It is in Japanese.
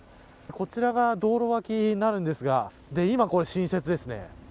こちらが道路わきになるんですが今、新雪ですね。